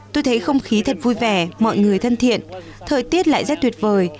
tôi thấy không khí thật vui vẻ mọi người thân thiện thời tiết lại rất tuyệt vời